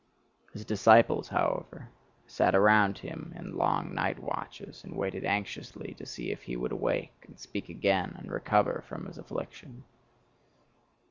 His disciples, however, sat around him in long night watches, and waited anxiously to see if he would awake, and speak again, and recover from his affliction.